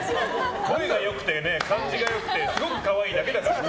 声が良くて、感じが良くてすごく可愛いだけだからね。